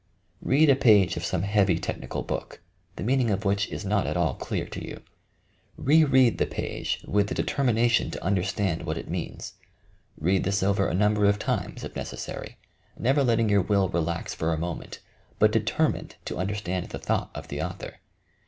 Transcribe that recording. Head a page of some heavy technical book, the meaning of which is not at all clear to you. Re read the page with the determination to understand what it means. Read this over a number of times, if necessary, never letting your will relax for a moment, but de termined to understand the thought of the author.